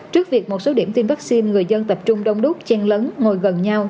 trước việc một số điểm tiêm vaccine người dân tập trung đông đúc chen lấn ngồi gần nhau